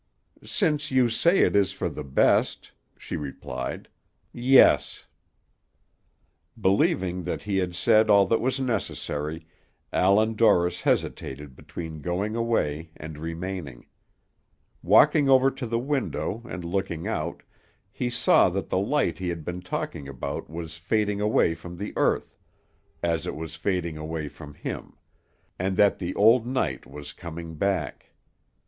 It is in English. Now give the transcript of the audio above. "Since you say it is for the best," she replied, "yes." Believing that he had said all that was necessary, Allan Dorris hesitated between going away and remaining. Walking over to the window, and looking out, he saw that the light he had been talking about was fading away from the earth, as it was fading away from him, and that the old night was coming back.